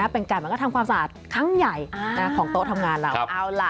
เป็นการมันก็ทำความสะอาดครั้งใหญ่ของโต๊ะทำงานเรา